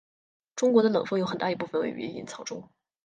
中国的冷锋有很大一部分位于隐槽中。